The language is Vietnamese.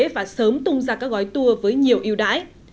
và sớm tung ra các gói tour với nhiều yêu đãi